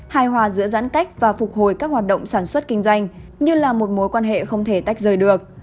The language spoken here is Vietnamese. hài hòa giữa giãn cách và phục hồi các hoạt động sản xuất kinh doanh như là một mối quan hệ không thể tách rời được